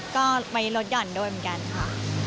ก็ไปลดหย่อนด้วยเหมือนกันค่ะ